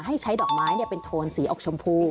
ให้ใช้ดอกไม้เป็นโทนสีอกชมพู